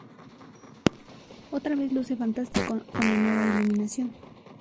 Otra vez luce fantástico con la nueva iluminación.